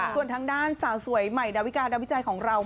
ส่วนทางด้านสาวสวยใหม่ดาวิกาดาวิจัยของเรา